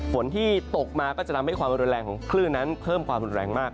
ฝนที่ตกมาก็จะทำให้ความรุนแรงของคลื่นนั้นเพิ่มความรุนแรงมาก